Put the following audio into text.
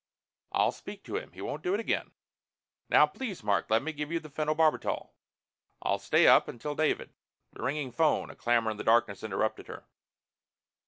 "I'll speak to him. He won't do it again. Now please, Mark, let me get you the phenobarbital. I'll stay up until David "The ringing phone, a clamor in the darkness, interrupted her.